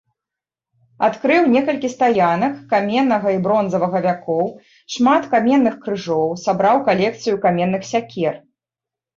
Адкрыў некалькі стаянак каменнага і бронзавага вякоў, шмат каменных крыжоў, сабраў калекцыю каменных сякер.